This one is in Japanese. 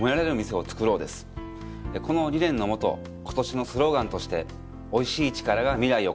この理念の下ことしのスローガンとして「おいしい力が、未来を変える。」